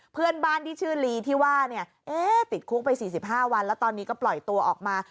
เพื่อนบ้านที่ชื่อลีที่ว่าเนี่ยเอ๊ะติดคุกไป๔๕วันแล้วตอนนี้ก็ปล่อยตัวออกมา